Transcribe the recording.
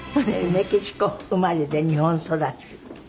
メキシコ生まれで日本育ち。